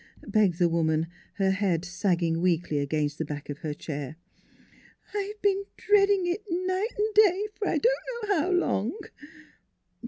" begged the woman, her head sagging weakly against the back of her chair. " I've been dreading it, night an' day, for I don't know how long."